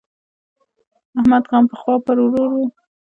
احمد غم پخوا پر ورور وو.